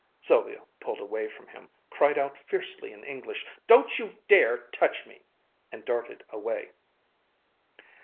Sylvia pulled away from him, cried out fiercely in English, "Don't you dare to touch me!" and darted away.